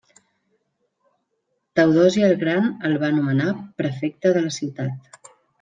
Teodosi el Gran el va nomenar prefecte de la ciutat.